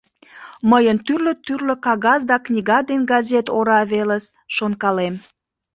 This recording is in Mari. Мыйын тӱрлӧ-тӱрлӧ кагаз да книга ден газет ора велыс, шонкалем.